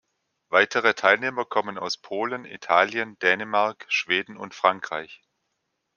Weitere Teilnehmer kommen aus Polen, Italien, Dänemark, Schweden und Frankreich.